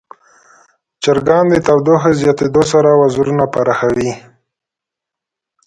چرګان د تودوخې زیاتیدو سره وزرونه پراخوي.